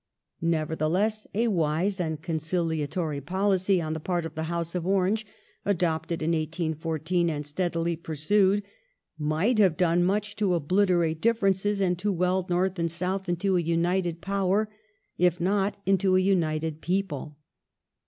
Nevertheless, aw^ise and conciliator^policy on the pai t of the House of Orange, adopted in 1814 and steadily pur sued, might have done much to obliterate differences, and to weld North and South into a united Power if not into a united People.